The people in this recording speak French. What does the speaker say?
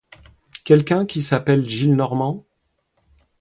Quelqu'un qui s'appelle Gillenormand?